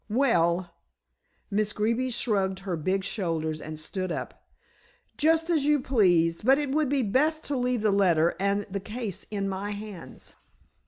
"Well" Miss Greeby shrugged her big shoulders and stood up "just as you please. But it would be best to leave the letter and the case in my hands."